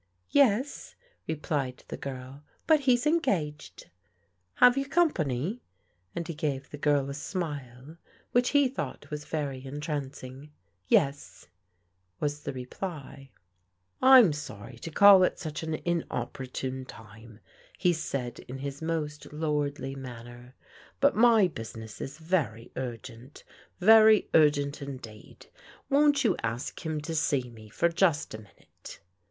" Yes," replied the girl, " but he's engaged." " Have you company?" and he gave the girl a snule which he thought was very entrancing. Yes," was the reply. I'm sorry to call at such an inopportune time," he said in his most lordly maimer, " but my business is very urgent, very urgent, indeed. Won't you ask him to see me for just a minute